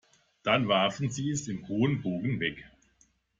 Dann warfen sie es im hohen Bogen weg.